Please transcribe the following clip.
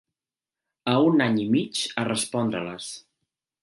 A un any i mig a respondre-les